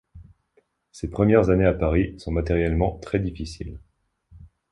Ses premières années à Paris sont matériellement très difficiles.